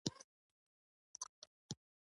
د همداسې استدلال پر اساس مقابلې ته ور دانګي.